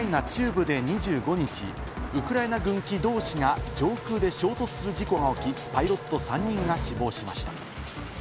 ウクライナ中部で２５日、ウクライナ軍機同士が上空で衝突する事故が起き、パイロット３人が死亡しました。